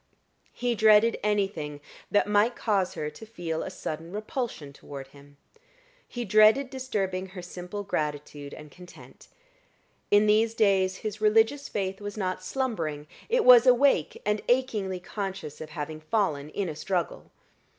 He dreaded anything that might cause her to feel a sudden repulsion toward him. He dreaded disturbing her simple gratitude and content. In these days his religious faith was not slumbering; it was awake and achingly conscious of having fallen in a struggle.